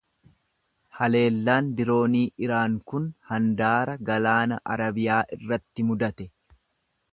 Haleellaan diroonii Iraan kun handaara Galaana Arabiyaa irratti mudate.